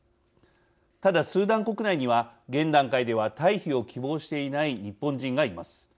ただスーダン国内には現段階では退避を希望していない日本人がいます。